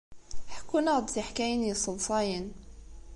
Ḥekkun-aɣ-d tiḥkayin yesseḍsayen.